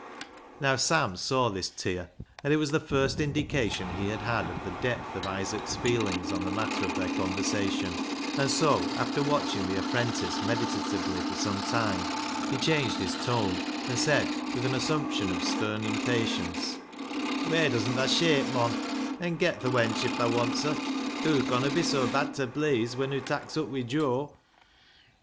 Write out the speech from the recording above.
Now Sam saw this tear, and it was the first indication he had had of the depth of Isaac's feelings on the matter of their conversation, and so, after watching the apprentice medita tively for some time, he changed his tone and said, with an assumption of stern impatience — "Whey doesn't thaa shape, mon, an' get th' wench if thaa wants her? Hoo conna be so bad ta pleeas when hoo tak's up wi' Joe."